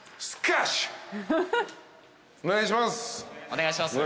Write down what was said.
お願いします。